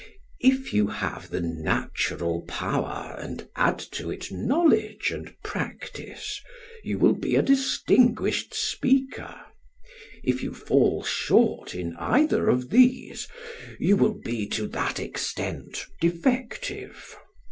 If you have the natural power and add to it knowledge and practice, you will be a distinguished speaker; if you fall short in either of these, you will be to that extent defective.